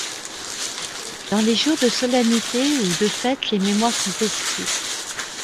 Dans les jours de solennité ou de fête les mémoires sont exclues.